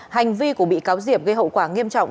hành vi của bị cáo diệp gây hậu quả nghiêm trọng